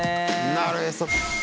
なるへそ。